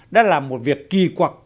đã làm một việc kỳ quặc